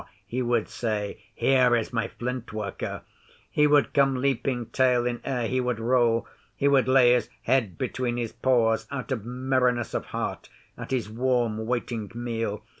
he would say. "Here is my Flint worker!" He would come leaping, tail in air; he would roll; he would lay his head between his paws out of merriness of heart at his warm, waiting meal.